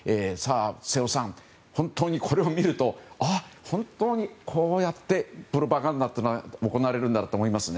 瀬尾さん、本当にこれを見ると本当にこうやってプロパガンダというのは行われるんだと思いますね。